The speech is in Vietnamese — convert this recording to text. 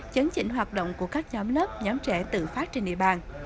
chấn chỉnh hoạt động của các nhóm lớp nhóm trẻ tự phát trên địa bàn